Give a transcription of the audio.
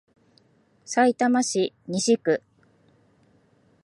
さいたま市西区